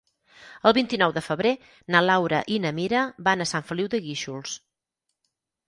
El vint-i-nou de febrer na Laura i na Mira van a Sant Feliu de Guíxols.